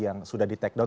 yang sudah di takedown